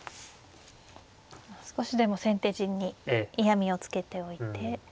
少しでも先手陣に嫌みをつけておいて。